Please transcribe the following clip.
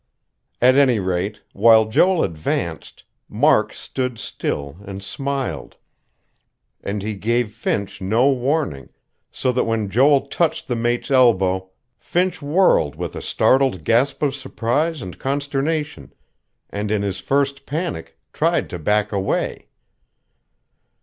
At any rate, while Joel advanced, Mark stood still and smiled; and he gave Finch no warning, so that when Joel touched the mate's elbow, Finch whirled with a startled gasp of surprise and consternation, and in his first panic, tried to back away.